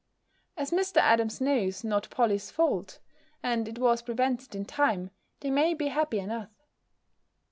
As Mr. Adams knows not Polly's fault, and it was prevented in time, they may be happy enough.